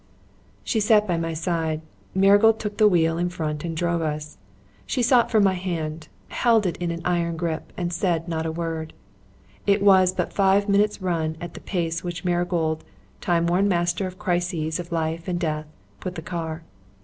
She sat by my side. Marigold took the wheel in front and drove on. She sought for my hand, held it in an iron grip, and said not a word. It was but a five minutes' run at the pace to which Marigold, time worn master of crises of life and death, put the car.